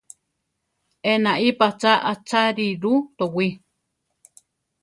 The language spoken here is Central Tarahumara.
Enaí patzá acháriru towí.